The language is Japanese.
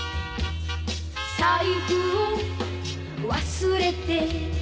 「財布を忘れて」